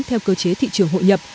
theo cơ chế thị trường hội nhập